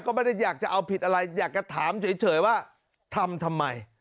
ก็ไม่ได้อยากจะเอาผิดอะไรอยากจะถามเฉยว่าทำทำไม